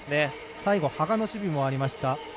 最後羽賀の守備もありました。